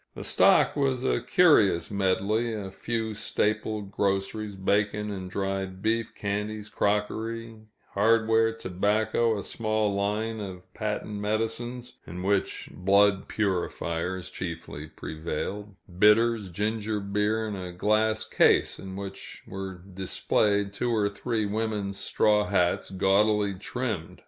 The stock was a curious medley a few staple groceries, bacon and dried beef, candies, crockery, hardware, tobacco, a small line of patent medicines, in which blood purifiers chiefly prevailed, bitters, ginger beer, and a glass case in which were displayed two or three women's straw hats, gaudily trimmed.